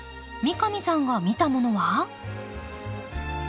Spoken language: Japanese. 三上さんが見たものは？